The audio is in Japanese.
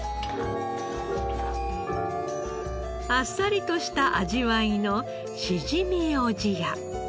あっさりとした味わいのしじみおじや。